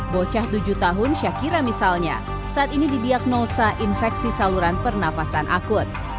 bocah tujuh tahun syakira misalnya saat ini didiagnosa infeksi saluran pernafasan akut